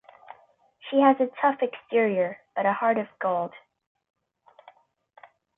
She has a tough exterior, but a heart of gold.